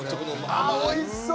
あっおいしそう！